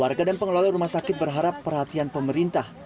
warga dan pengelola rumah sakit berharap perhatian pemerintah